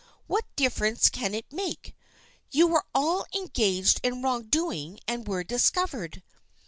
What difference can it make ? You were all engaged in wrong doing and were discovered.